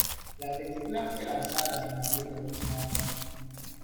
La película fue lanzada en abril del mismo año.